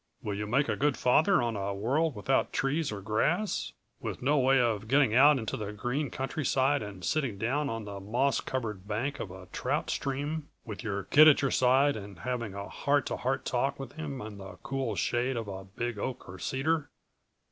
Will you make a good father on a world without trees or grass, with no way of getting out into the green countryside and sitting down on the moss covered bank of a trout stream, with your kid at your side and having a heart to heart talk with him in the cool shade of a big oak or cedar."